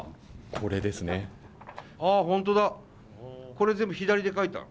これ全部左で書いたの？